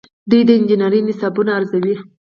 دوی د انجنیری نصابونه ارزوي.